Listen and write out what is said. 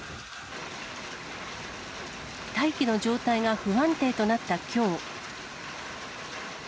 大気の状態が不安定となったきょう。